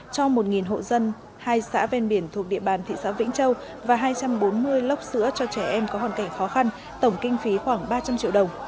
cho một hộ dân hai xã ven biển thuộc địa bàn thị xã vĩnh châu và hai trăm bốn mươi lốc sữa cho trẻ em có hoàn cảnh khó khăn tổng kinh phí khoảng ba trăm linh triệu đồng